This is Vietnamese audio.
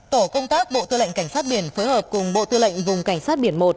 tổ công tác bộ tư lệnh cảnh sát biển phối hợp cùng bộ tư lệnh vùng cảnh sát biển một